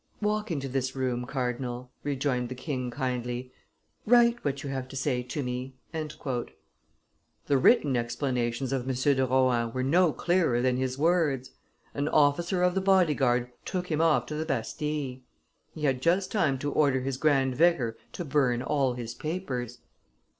"Walk into this room, cardinal," rejoined the king kindly; "write what you have to say to me." The written explanations of M. de Rohan were no clearer than his words; an officer of the body guard took him off to the Bastille; he had, just time to order his grand vicar to burn all his papers.